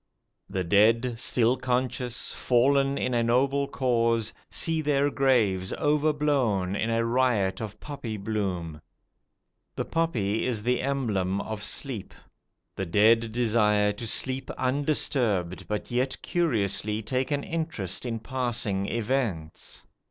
The dead, still conscious, fallen in a noble cause, see their graves overblown in a riot of poppy bloom. The poppy is the emblem of sleep. The dead desire to sleep undisturbed, but yet curiously take an interest in passing events.